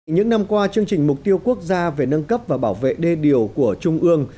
những năm qua chương trình mục tiêu quốc gia về nâng cấp và bảo vệ đê điều của trung ương